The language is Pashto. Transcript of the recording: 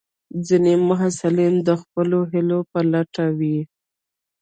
ځینې محصلین د خپلو هیلو په لټه وي.